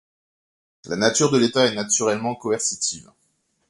La nature de l'État est naturellement coercitive.